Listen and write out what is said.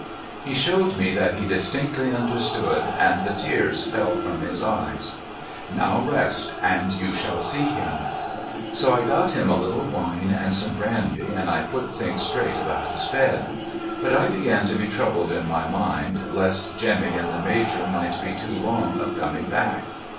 He showed me that he distinctly understood, and the tears fell from his eyes. ' Now rest, and you shall see him.' So I got him a little wine and some brandy, and I put things straight about his bed. But I began to be troubled in my mmd lest Jemmy and the Major might be too long of coming back.